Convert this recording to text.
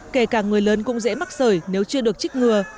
kể cả người lớn cũng dễ mắc sởi nếu chưa được trích ngừa